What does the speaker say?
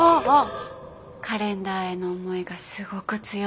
カレンダーへの思いがすごく強いみたいで。